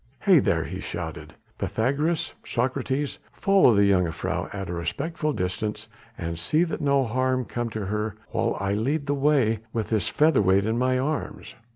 "Hey there!" he shouted, "Pythagoras, Socrates, follow the jongejuffrouw at a respectful distance and see that no harm come to her while I lead the way with this featherweight in my arms."